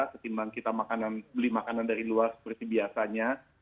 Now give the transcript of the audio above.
ketimbang kita beli makanan dari luar seperti biasanya